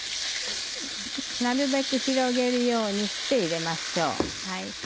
なるべく広げるようにして入れましょう。